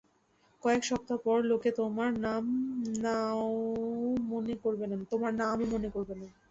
কয়েক সপ্তাহ পর লোকে তোমার নামও মনে করবে না।